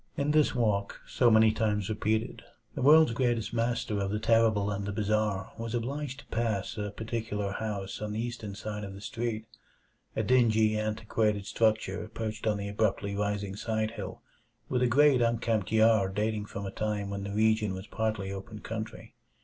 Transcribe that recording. In this walk, so many times repeated, the world's greatest master of the terrible and the bizarre was obliged to pass a particular house on the eastern side of the street; a dingy, antiquated structure perched on the abruptly rising side hill, with a great unkempt yard dating from a time when the region was partly open country.